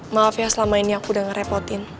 maaf ya selama ini aku udah ngerepotin